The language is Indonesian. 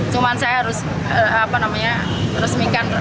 cuma saya harus resmikan